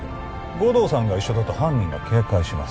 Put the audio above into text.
護道さんが一緒だと犯人が警戒します